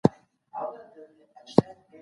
د دې پروسې په نتيجه کي ملي عايد لوړېږي.